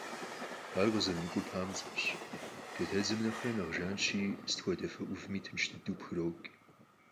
Ар къызэрымыкӀуэу папцӀэщ, джатэдзэм нэхърэ нэхъ жанщи, сыт хуэдэ фэ Ӏувми тынш дыдэу пхокӀ.